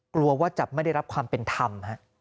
กลัวว่าจะไม่ได้รับความเป็นธรรม